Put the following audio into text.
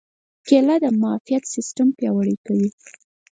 کېله د معافیت سیستم پیاوړی کوي.